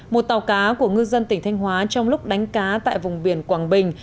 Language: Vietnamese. một tàu cá của ngư dân tỉnh thanh hóa trong lúc đánh cá tại vùng biển quảng bình